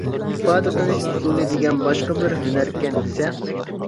ئىپادە قىلىش ئۇسۇلى دېگەن باشقا بىر ھۈنەركەن دېسە.